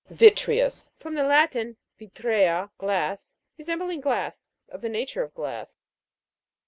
VI'TREOUS. From the Latin, vitrea, glass. Resembling glass ; of the nature of glass.